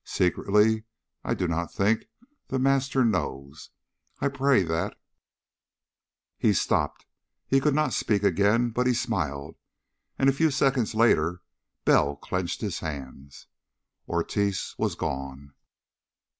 Secretly. I do not think the Master knows. I pray that " He stopped. He could not speak again. But he smiled, and a few seconds later Bell clenched his hands. Ortiz was gone.